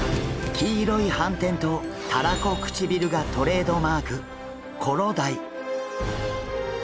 黄色い斑点とたらこ唇がトレードマークコロダイ。